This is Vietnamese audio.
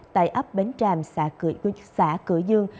tại ấp bến tràm xã cửa dương